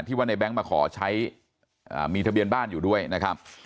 ว่าในแง๊งมาขอใช้มีทะเบียนบ้านอยู่ด้วยนะครับ